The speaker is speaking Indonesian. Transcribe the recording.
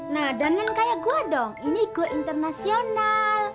nah dan kan kaya gua dong ini gua internasional